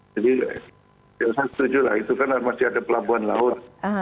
jadi saya setuju lah itu kan masih ada pelabuhan laut